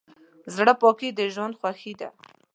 زړه پاکي د ژوند خوښي ده.